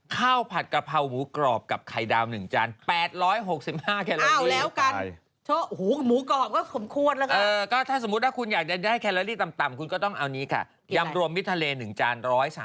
ข้าวผัดกะเพราหมูกรอบกับไข่ดาวนึงจาน